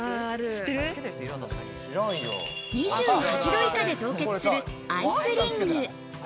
２８度以下で凍結するアイスリング。